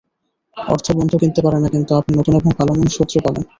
অর্থ বন্ধু কিনতে পারে না, কিন্তু আপনি নতুন এবং ভালো মানের শত্রু পাবেন।